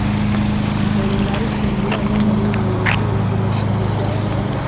gushora imari shingiro inama y'ubuyobozi yiga imishinga ibyara inyungu